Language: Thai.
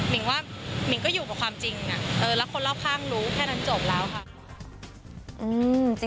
ว่ามิงก็อยู่กับความจริงแล้วคนรอบข้างรู้แค่นั้นจบแล้วค่ะ